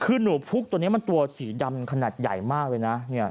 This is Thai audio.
คือหนูพุกตัวนี้มันตัวสีดำขนาดใหญ่มากเลยนะ